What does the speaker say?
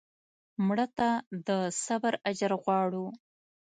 مړه ته د صبر اجر غواړو